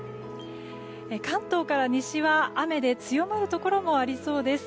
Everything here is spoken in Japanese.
関東から西は雨で強まるところもありそうです。